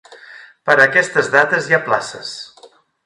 Per a aquestes dates hi ha places.